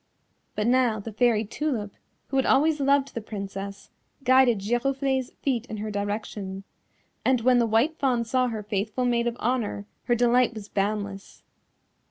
But now the Fairy Tulip, who had always loved the Princess guided Giroflée's feet in her direction, and when the White Fawn saw her faithful Maid of Honour her delight was boundless.